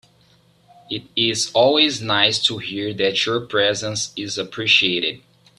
It is always nice to hear that your presence is appreciated.